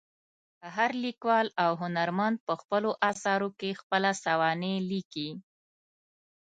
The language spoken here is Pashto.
هر لیکوال او هنرمند په خپلو اثرو کې خپله سوانح لیکي.